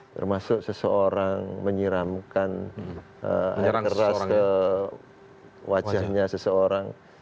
termasuk seseorang menyiramkan air keras ke wajahnya seseorang